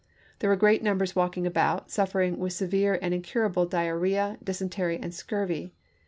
There were great numbers walking about, suffering with severe and incur able diarrhea, dysentery, and scurvy.